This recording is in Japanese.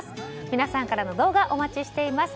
皆さんからの動画お待ちしています。